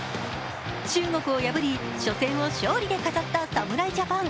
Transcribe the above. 中国を破り、初戦を勝利で飾った侍ジャパン。